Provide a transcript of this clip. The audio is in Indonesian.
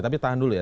tapi tahan dulu ya